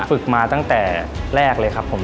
ฝึกมาตั้งแต่แรกเลยครับผม